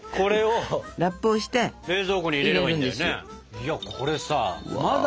いやこれさまだ